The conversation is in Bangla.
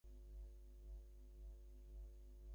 নেতা যিনি, তিনি থাকবেন ব্যক্তির গণ্ডীর বাইরে।